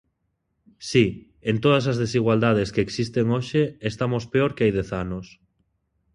Si, en todas as desigualdades que existen hoxe estamos peor que hai dez anos.